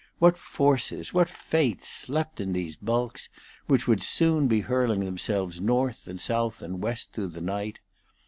What forces, what fates, slept in these bulks which would soon be hurling themselves north and south and west through the night!